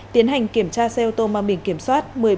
tiến hành kiểm tra xe ô tô mang bình kiểm soát